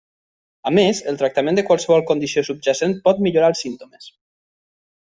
A més, el tractament de qualsevol condició subjacent pot millorar els símptomes.